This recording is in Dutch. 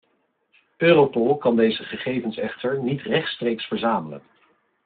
Europol kan deze gegevens echter niet rechtstreeks verzamelen.